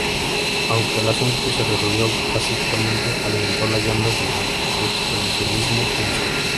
Aunque el asunto se resolvió pacíficamente, alimentó las llamas del expansionismo del sur.